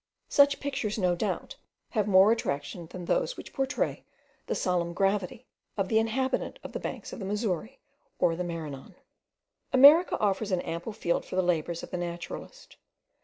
Such pictures, no doubt, have more attraction than those which pourtray the solemn gravity of the inhabitant of the banks of the Missouri or the Maranon. America offers an ample field for the labours of the naturalist.